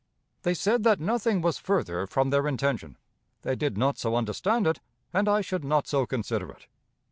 They said that nothing was further from their intention; they did not so understand it, and I should not so consider it.